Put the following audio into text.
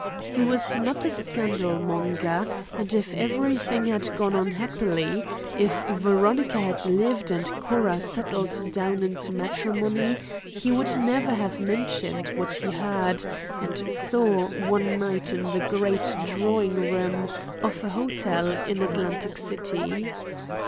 He was not a scandalmonger, and if everything had gone on happily, if Veronica had lived and Cora settled down into matrimony, he would never have mentioned what he heard and saw one night in the great drawing room of a hotel in Atlantic City.